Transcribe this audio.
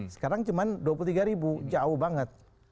sekarang cuma dua puluh tiga ribu jauh banget